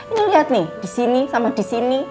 ini liat nih disini sama disini